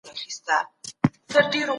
که کوښښ وکړو نو بریا زموږ ده.